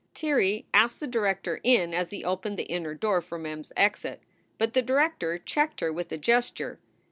Tirrey asked the director in as he opened the inner door for Mem s exit. But the director checked her with a ges ture.